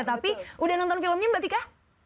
tapi udah nonton filmnya mbak tika